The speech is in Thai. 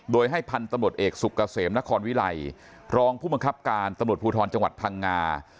โดยให้พันธุ์ตำรวจเอกสุกเกษมนครวิไลรองผู้บังคับการตำรวจภูทรจังหวัดพังงา